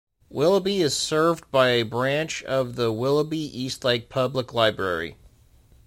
Willoughby is served by a branch of the Willoughby-Eastlake Public Library.